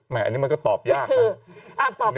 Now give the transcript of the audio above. อันนี้มันก็ตอบยากนะ